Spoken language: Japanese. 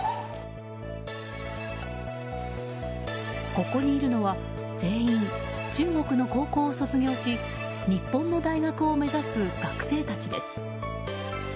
ここにいるのは全員、中国の高校を卒業し日本の大学を目指す学生たちです。